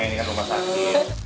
ini kan rumah sakit